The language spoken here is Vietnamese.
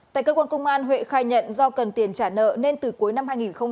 tại cơ quan công an huệ khai nhận do cần tiền trả nợ nên từ cuối năm hai nghìn một mươi chín